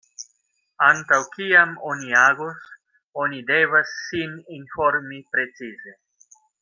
Antaŭ kiam oni agos, oni devas sin informi precize.